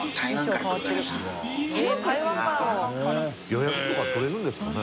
予約とか取れるんですかね？